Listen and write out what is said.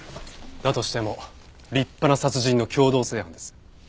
だとしても立派な殺人の共同正犯です。